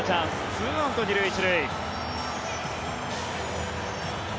２アウト２塁１塁。